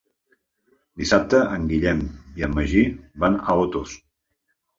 Dissabte en Guillem i en Magí van a Otos.